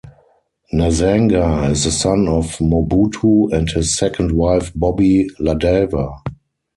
Nazanga is the son of Mobutu and his second wife Bobby Ladawa.